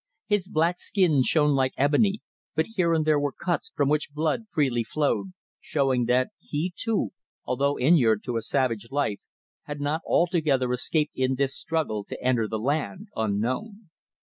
His black skin shone like ebony, but here and there were cuts from which blood freely flowed, showing that he too, although inured to a savage life, had not altogether escaped in this struggle to enter the land unknown.